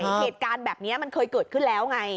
เหตุการณ์แบบนี้มันเคยเกิดขึ้นแล้วไง